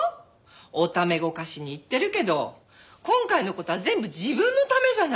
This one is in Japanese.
おためごかしに言ってるけど今回の事は全部自分のためじゃない！